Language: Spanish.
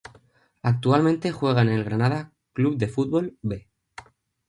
Actualmente juega en el Granada Club de Fútbol "B".